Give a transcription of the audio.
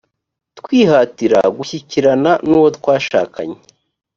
twihatira gushyikirana n uwo twashakanye